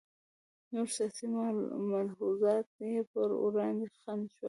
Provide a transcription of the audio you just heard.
نور سیاسي ملحوظات یې پر وړاندې خنډ شول.